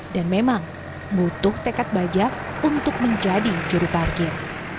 dan memang butuh tekad baja untuk menjadi juru parkir